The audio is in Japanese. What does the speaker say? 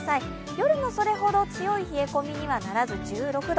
夜もそれほど強い冷え込みにはならず１６度。